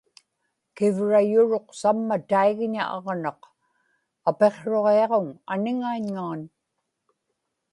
kivrayuruq samma taigña aġnaq; apiqsruġiaġuŋ aniŋaiñŋaan